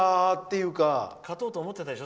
勝とうと思ってたでしょ？